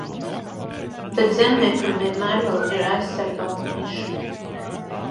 Bet zemniekam vienmēr vēl ir aizsargāta niša.